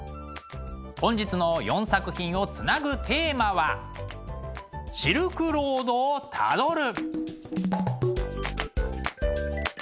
本日の４作品をつなぐテーマは「シルクロードをたどる」。